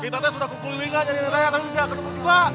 kita teh sudah kukul lacaktanin ya